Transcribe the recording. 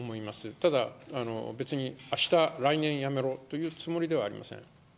ただ、別にあした、来年やめろというつもりではありません。